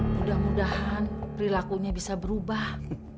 mudah mudahan perilakunya bisa berubah